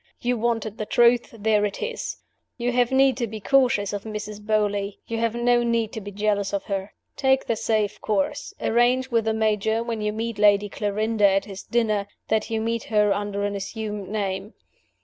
You wanted the truth. There it is! You have need to be cautious of Mrs. Beauly you have no need to be jealous of her. Take the safe course. Arrange with the Major, when you meet Lady Clarinda at his dinner, that you meet her under an assumed name."